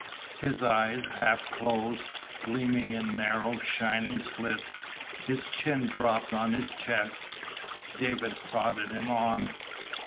His eyes half closed, gleaming in narrow, shining slits. His chin dropped on his chest. David prodded him on.